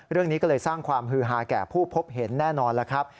เรื่องนี้ก็เลยสร้างความฮือฮาแก่ผู้พบเห็นแน่นอนแล้วครับ